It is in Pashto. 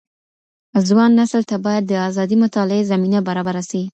ځوان نسل ته بايد د ازادي مطالعې زمينه برابره سي.